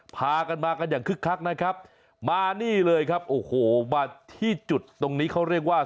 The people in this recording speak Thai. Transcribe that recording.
พากันมากันอย่างคึกคักนะครับมานี่เลยครับโอ้โหมาที่จุดตรงนี้เขาเรียกว่า